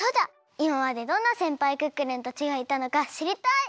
いままでどんなせんぱいクックルンたちがいたのかしりたい！